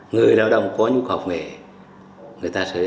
người lao động có nhu cầu học nghề